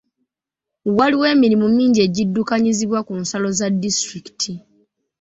Waliwo emirimu mingi egiddukanyizibwa ku nsalo za disitulikiti.